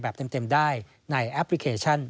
แบบเต็มได้ในแอปพลิเคชัน